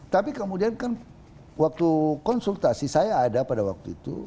tapi kemudian kan waktu konsultasi saya ada pada waktu itu